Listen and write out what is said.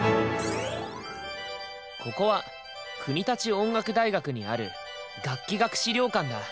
ここは国立音楽大学にある楽器学資料館だ。